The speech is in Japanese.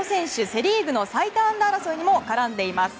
セ・リーグの最多安打争いにも絡んでいます。